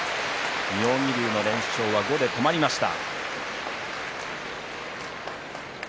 妙義龍の連勝は５で止まりました。